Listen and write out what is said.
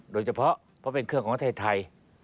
โดยเฉพาะเพราะเป็นเครื่องของประเทศไทย